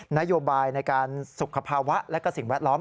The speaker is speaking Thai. นโยบายในการสุขภาวะและก็สิ่งแวดล้อม